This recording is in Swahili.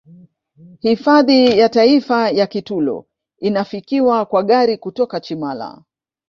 Hifadhi ya taifa ya Kitulo inafikiwa kwa gari kutoka Chimala